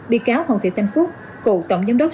bị cáo hồng thị thanh phúc cựu tổng giám đốc